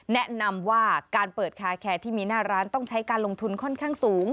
แนะนำว่าการเปิดคาแคร์ที่มีหน้าร้านต้องใช้การลงทุนค่อนข้างสูง